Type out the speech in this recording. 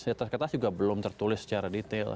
di atas kertas juga belum tertulis secara detail